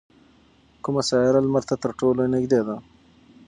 کومه سیاره لمر ته تر ټولو نږدې ده؟